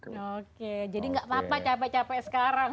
oke jadi gak apa apa capek capek sekarang